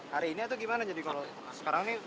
hari ini atau gimana